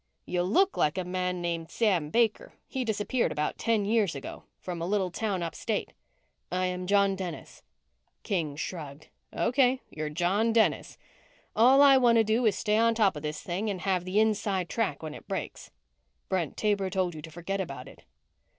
"You look like a man named Sam Baker. He disappeared about ten years ago from a little town upstate." "I am John Dennis." King shrugged. "Okay, you're John Dennis. All I want to do is stay on top of this thing and have the inside track when it breaks." "Brent Taber told you to forget about it."